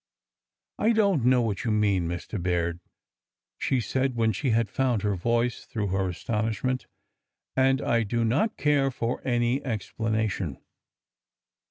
I don't know what you mean, Mr. Baird," she said when she had found her voice through her astonishment, ' and I do not care for any explanation.